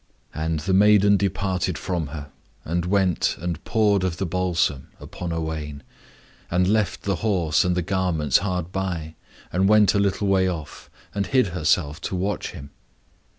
And the maiden departed from her, and went and poured of the balsam upon Owain, and left the horse and the garments hard by, and went a little way off and hid herself to watch him.